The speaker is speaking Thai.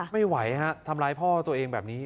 ไม่ไหวฮะทำร้ายพ่อตัวเองแบบนี้